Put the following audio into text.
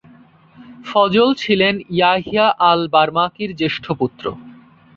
ফজল ছিলেন ইয়াহিয়া আল-বার্মাকির জ্যেষ্ঠ পুত্র।